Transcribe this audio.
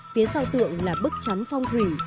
phía sau tượng là bức trắn phong thủy